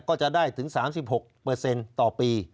ก็จะได้ถึง๓๖ต่อปี